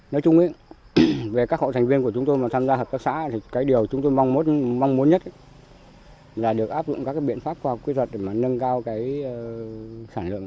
nói chung về các hộ thành viên của chúng tôi mà tham gia hợp tác xã điều chúng tôi mong muốn nhất là được áp dụng các biện pháp khoa học kỹ thuật để nâng cao sản lượng